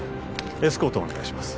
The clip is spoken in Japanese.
エスコートをお願いします